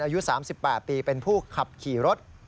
อายุ๓๘ปีเป็นผู้ขับขี่รถ